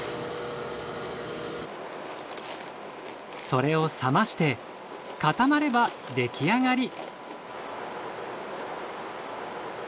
それを冷まして固まれば出来上がり。